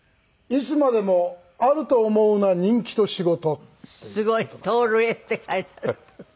「いつまでもあると思うな人気と仕事」